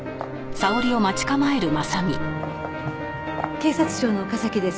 警察庁の岡崎です。